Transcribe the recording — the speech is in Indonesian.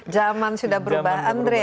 zaman sudah berubah